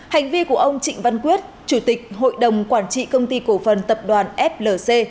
hành vi của ông trịnh văn quyết chủ tịch hội đồng quản trị công ty cổ phần tập đoàn flc